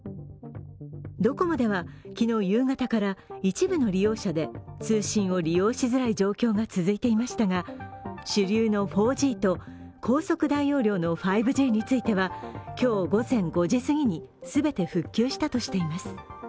ドコモでは昨日夕方から一部の利用者で通信を利用しづらい状況が続いていましたが主流の４Ｇと高速大容量の５Ｇについては今日午前５時すぎに全て復旧したとしています。